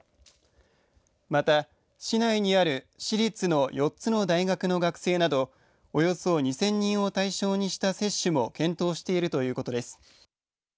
また、市内にある私立の４つの大学の学生などおよそ２０００人を対象にした接種も検討しているということです。